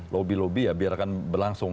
lobby lobby ya biarkan berlangsung